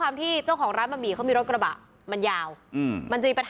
เลิกเลิกเลิกเลิกเลิกเลิกเลิกเลิกเลิกเลิกเลิก